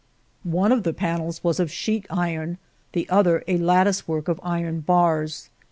One of the panels was of sheet iron, the other a lattice work of iron bars.